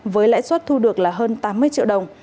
với lãi suất thu được là hơn tám mươi triệu đồng